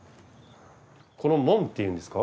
この門っていうんですか？